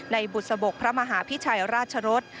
ในบุตรสะบบกพระมหาพิชัยราชรศ